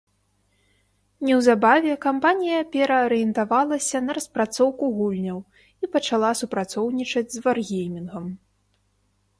Неўзабаве кампанія пераарыентавалася на распрацоўку гульняў і пачала супрацоўнічаць з «Варгеймінгам».